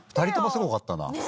「２人ともすごかったな」